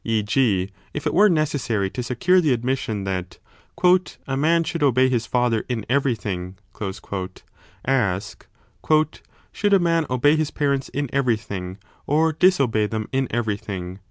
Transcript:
E. g. if it were 174 necessary to secure the admission that A man should obey his father in everything , ask Should a man obey his parents in everything, or disobey them in everything